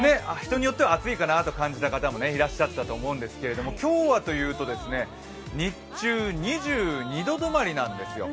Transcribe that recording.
人によっては暑いかなと感じた方もいらっしゃったと思うんですが今日はというと、日中２２度止まりなんですよ。